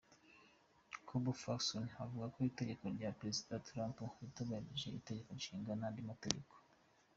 Bob Ferguson avuga ko itegeko rya Perezida Trump ritubahiriza itegeko nshinga n’ andi mategeko.